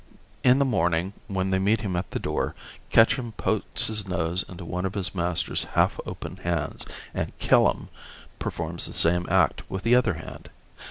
In the morning when they meet him at the door Ketchum pokes his nose into one of his master's half open hands and Killum performs the same act with the other hand.